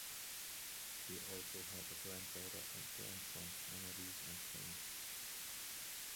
He also has a granddaughter and grandson, Analise and Kane.